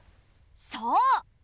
そう！